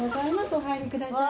お入りください。